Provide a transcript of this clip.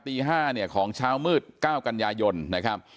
ตี๕เนี่ยของเช้ามืด๙กันยายนนะครับ